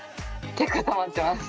結構たまってます。